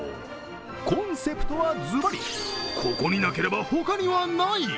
コンセプトはずばり、ここになければ他にはない。